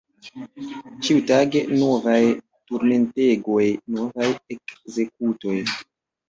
Ĉiutage novaj turmentegoj, novaj ekzekutoj!